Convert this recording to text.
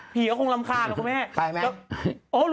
เพียร์ก็คงลำคาญนะ